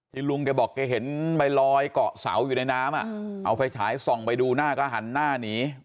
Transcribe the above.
ลุงแกบอกแกเห็นใบลอยเกาะเสาอยู่ในน้ำเอาไฟฉายส่องไปดูหน้าก็หันหน้าหนี